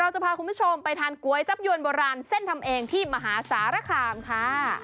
จะพาคุณผู้ชมไปทานก๋วยจับยวนโบราณเส้นทำเองที่มหาสารคามค่ะ